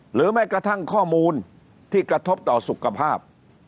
แม้กระทั่งข้อมูลที่กระทบต่อสุขภาพ